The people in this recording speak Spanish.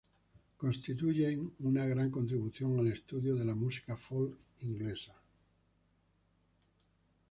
Constituyen una gran contribución al estudio de la música folk inglesa.